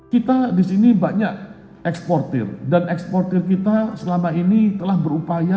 kita di sini banyak eksportir dan eksportir kita selama ini telah berupaya